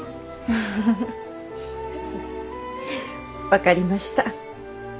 分かりました。